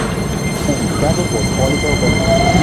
Publicado por Polydor Records.